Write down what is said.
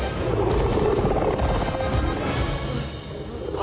あ！